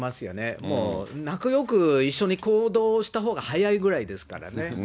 もう仲よく一緒に行動したほうが早いくらいですからね。